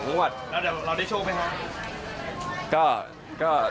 เราได้โชคไปคะ